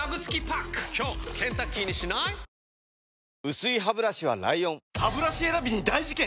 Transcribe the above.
薄いハブラシは ＬＩＯＮハブラシ選びに大事件！